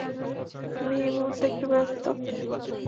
আমি এই মুহূর্তে একটু ব্যস্ত।